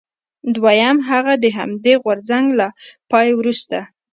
دویم هغه د همدې غورځنګ له پای وروسته.